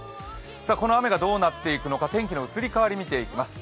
この雨がどうなっていくのか天気の移り変わりを見ていきます。